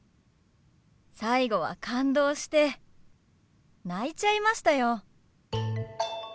最後は感動して泣いちゃいましたよ。